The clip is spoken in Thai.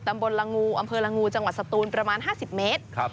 ตำบลลงูอำเภอลงูจังหวัดสตูนประมาณห้าสิบเมตรครับ